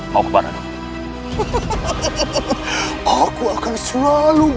polis bersaing membawa mereka hampir selesai